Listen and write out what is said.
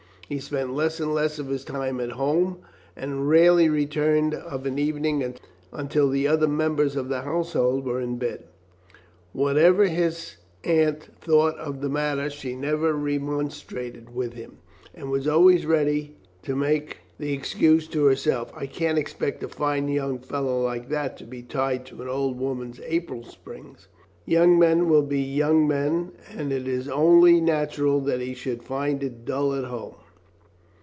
He spent less and less of his time at home, and rarely returned of an evening until the other members of the household were in bed. Whatever his aunt thought of the matter she never remonstrated with him, and was always ready to make the excuse to herself, "I can't expect a fine young fellow like that to be tied to an old woman's apron strings. Young men will be young men, and it is only natural that he should find it dull at home."